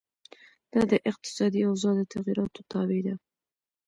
دا د اقتصادي اوضاع د تغیراتو تابع ده.